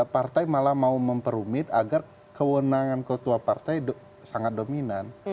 partai malah mau memperumit agar kewenangan ketua partai sangat dominan